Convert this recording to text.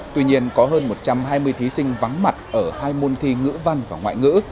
tuy nhiên có hơn một trăm hai mươi thí sinh vắng mặt ở hai môn thi ngữ văn và ngoại ngữ